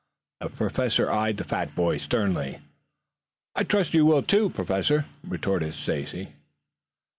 The Professor eyed the fat boy sternly. "I trust you will, too, Professor," retorted Stacy.